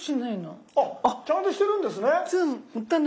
あっちゃんとしてるんですね。